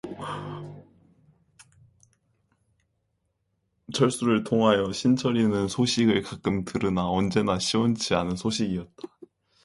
철수를 통하여 신철의 소식을 가끔 들으나 언제나 시원치 않은 소식이었다.